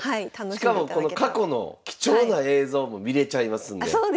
しかもこの過去の貴重な映像も見れちゃいますんで。